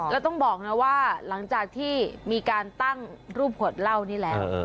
แล้วต้องบอกนะว่าหลังจากที่มีการตั้งรูปขวดเหล้านี่แล้ว